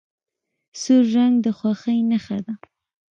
سور رنګ د خوښۍ نښه ده.